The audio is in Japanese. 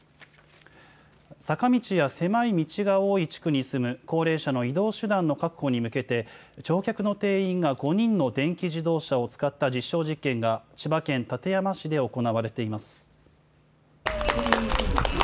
坂道や狭い道が多い地区に住む高齢者の移動手段の確保に向けて、乗客の定員が５人の電気自動車を使った実証実験が、千葉県館山市で行われています。